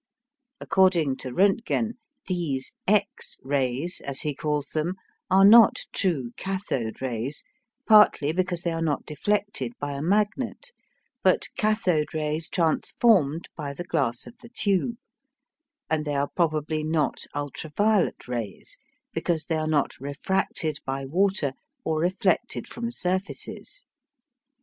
According to Rontgen, these "x" rays, as he calls them, are not true cathode rays, partly because they are not deflected by a magnet, but cathode rays transformed by the glass of the tube; and they are probably not ultra violet rays, because they are not refracted by water or reflected from surfaces.